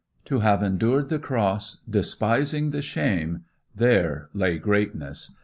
To have endured the cross, despising the shame—there lay greatness!